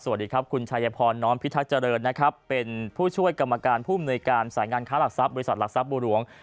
สวัสดีครับคุณชายพรน้อมพิทักษ์เจริญนะครับเป็นผู้ช่วยกรรมการผู้มนุยการสายงานค้าหลักทรัพย์บริษัทหลักทรัพย์บัวหลวง